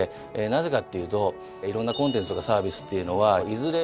なぜかっていうといろんなコンテンツとかサービスっていうのはいずれ